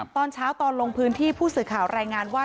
ตอนเช้าตอนลงพื้นที่ผู้สื่อข่าวรายงานว่า